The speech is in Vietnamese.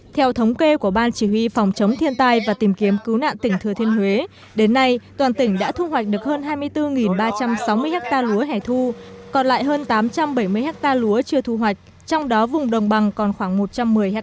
theo thống kê của ban chỉ huy phòng chống thiên tai và tìm kiếm cứu nạn tỉnh thừa thiên huế đến nay toàn tỉnh đã thu hoạch được hơn hai mươi bốn ba trăm sáu mươi ha lúa hẻ thu còn lại hơn tám trăm bảy mươi ha lúa chưa thu hoạch trong đó vùng đồng bằng còn khoảng một trăm một mươi ha